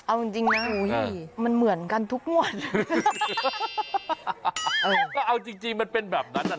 ออก็มาอ่างพองตั้ง๑๙๖๐ซาก